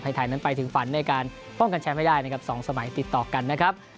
ไทยนั้นไปถึงฝันในการป้องกันแชมป์ไม่ได้นะครับ๒สมัยติดต่อกันนะครับ